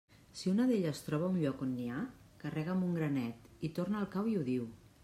Si una d'elles troba un lloc on n'hi ha, carrega amb un granet i torna al cau i ho diu.